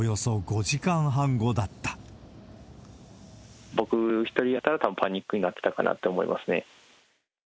僕１人だったら、たぶんパニックになってたかなって思いますね。